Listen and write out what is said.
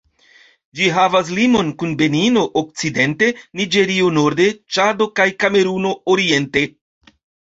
Ĝi havas limon kun Benino okcidente, Niĝero norde, Ĉado kaj Kameruno oriente.